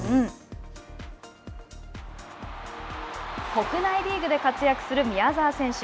国内リーグで活躍する宮澤選手。